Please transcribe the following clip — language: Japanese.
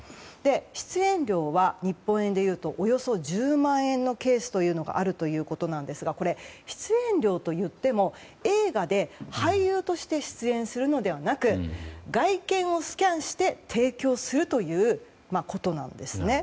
出演料は日本円でいうとおよそ１０万円のケースがあるということなんですが出演料といっても、映画で俳優として出演するのではなく外見をスキャンして提供するということなんです。